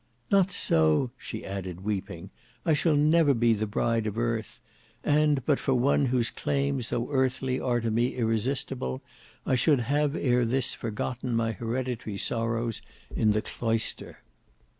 "Not so," she added weeping; "I shall never be the bride of earth; and but for one whose claims though earthly are to me irresistible, I should have ere this forgotten my hereditary sorrows in the cloister."